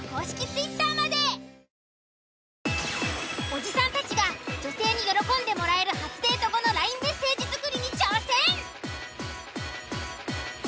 おじさんたちが女性に喜んでもらえる初デート後のＬＩＮＥメッセージ作りに挑戦！